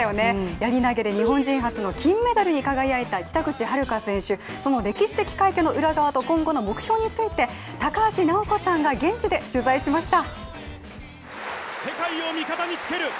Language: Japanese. やり投で日本人初の金メダルに輝いた北口榛花選手、その歴史的快挙の裏側と今後の目標について高橋尚子さんが現地で取材しました。